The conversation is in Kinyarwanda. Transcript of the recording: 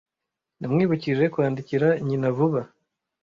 Namwibukije kwandikira nyina vuba.